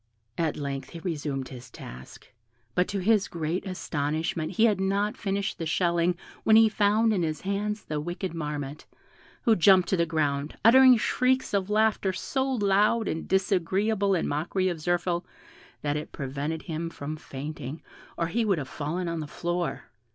At length he resumed his task, but to his great astonishment he had not finished the shelling when he found in his hands the wicked Marmotte, who jumped to the ground, uttering shrieks of laughter so loud and disagreeable in mockery of Zirphil, that it prevented him from fainting, or he would have fallen on the floor.